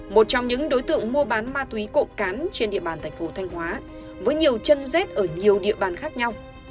một trong những đối tượng mua bán ma túy cộng cán trên địa bàn thành phố thanh hóa với nhiều chân rết ở nhiều địa bàn khác nhau